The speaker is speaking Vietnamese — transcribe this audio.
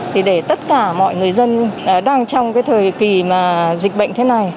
thì để tất cả mọi người dân đang trong cái thời kỳ mà dịch bệnh thế này